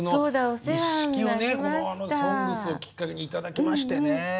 「ＳＯＮＧＳ」をきっかけに頂きましてね。